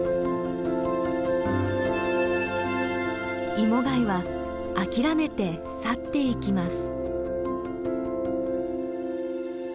イモガイは諦めて去っていきます。